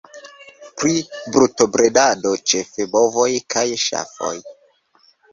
Pri brutobredado ĉefe bovoj kaj ŝafoj.